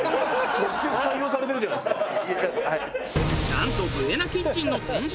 なんとブエナキッチンの店主